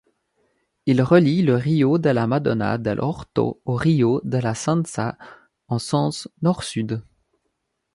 Il relie le rio della Madonna dell'Orto au rio della Sensa en sens nord-sud.